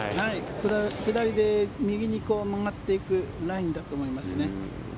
下りで右に曲がっていくラインだと思いますね。